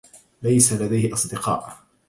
ليس لديه أصدقاء.